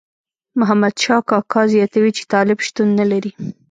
محمد شاه کاکا زیاتوي چې طالب شتون نه لري.